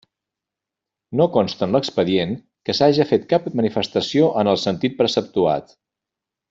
No consta en l'expedient que s'haja fet cap manifestació en el sentit preceptuat.